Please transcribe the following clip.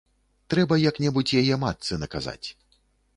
Трэба як-небудзь яе матцы наказаць.